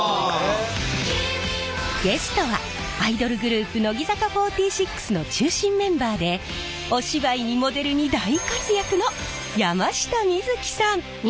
ゲストはアイドルグループ乃木坂４６の中心メンバーでお芝居にモデルに大活躍の山下美月さん！